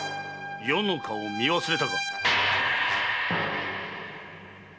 余の顔を見忘れたか。